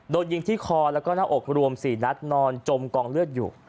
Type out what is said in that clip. โดนยิงที่คอแล้วก็หน้าอกรวม๔นัดนอนจมกองเลือดอยู่